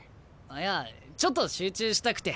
あいやちょっと集中したくて。